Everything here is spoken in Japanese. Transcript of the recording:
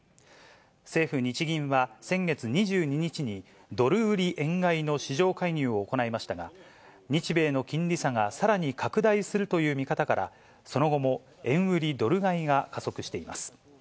政府・日銀は先月２２日に、ドル売り円買いの市場介入を行いましたが、日米の金利差がさらに拡大するという見方から、その後も円売りドル買いが加速しています。